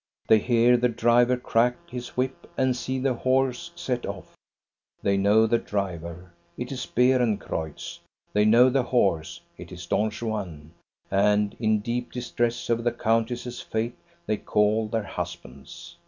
They hear the driver crack his whip and see the horse set off. They know the driver : it is Beeren creutz. They know the horse : it is Don Juan. And in deep distress over the countess's fate they call their husbands.